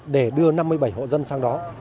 để đưa năm mươi bảy hộ dân sang đó